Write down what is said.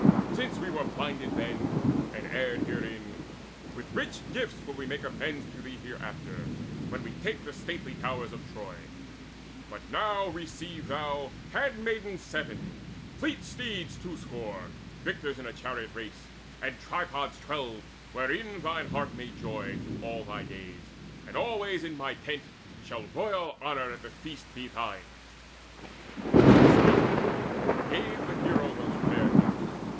Since we were blinded then, and erred herein, With rich gifts will we make amends to thee Hereafter, when we take the stately towers Of Troy: but now receive thou handmaids seven, Fleet steeds two score, victors in chariot race, And tripods twelve, wherein thine heart may joy Through all thy days; and always in my tent Shall royal honour at the feast be thine." He spake, and gave the hero those fair gifts.